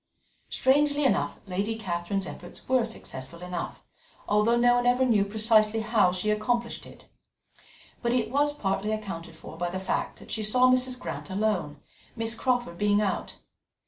Strangely enough, Lady Catherine's efforts were successful enough, although no one ever knew precisely how she accomplished it. But it was partly accounted for by the fact that she saw Mrs. Grant alone, Miss Crawford being out.